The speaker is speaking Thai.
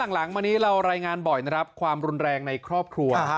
หลังมานี้เรารายงานบ่อยนะครับความรุนแรงในครอบครัว